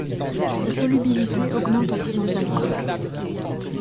Sa solubilité augmente en présence d'alcool.